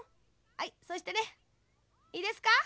はいそしてねいいですか？